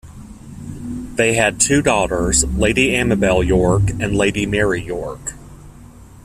They had two daughters, Lady Amabel Yorke and Lady Mary Yorke.